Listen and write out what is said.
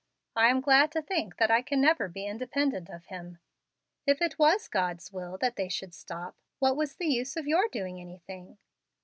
I am glad to think that I can never be independent of Him." "If it was God's will that they should stop, what was the use of your doing anything?"